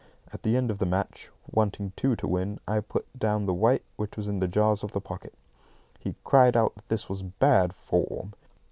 At the end of the match, wanting two to win, I put down the white which was in the jaws of the pocket. He cried out that this was bad form.